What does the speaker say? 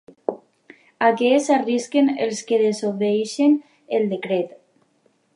A què s'arrisquen els que desobeeixin el decret?